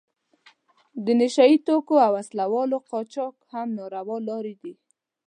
د نشه یي توکو او وسلو قاچاق هم ناروا لارې دي.